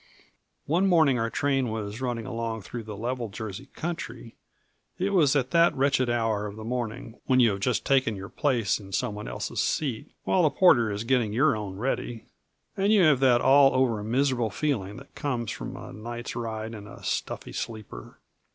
One morning our train was running along through the level Jersey country; it was at that wretched hour of the morning when you have just taken your place in someone else's seat while the porter is getting your own ready, and you have that all over miserable feeling that comes from a night's ride in a stuffy sleeper.